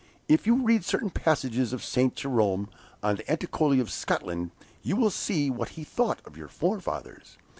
"If you read certain passages of Saint Jerome, on the Atticoli of Scotland, you will see what he thought of your forefathers.